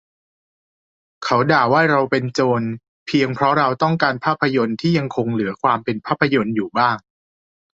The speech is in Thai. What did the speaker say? เขาด่าว่าเราเป็นโจร เพียงเพราะเราต้องการภาพยนตร์ที่ยังคงเหลือความเป็นภาพยนตร์อยู่บ้าง